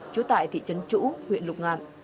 trú tại thị trấn chũ huyện lục ngàn